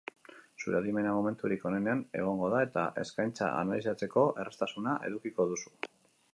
Zure adimena momenturik onenean egongo da, eta eskaintza analizatzeko erraztasuna edukiko duzu.